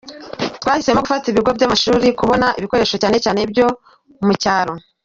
Twahisemo gufasha ibigo by’amashuri kubona ibikoresho, cyane cyane ibyo mu cyaro.